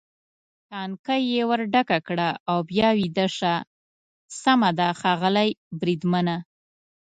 ټانکۍ یې ور ډکه کړه او بیا ویده شه، سمه ده ښاغلی بریدمنه.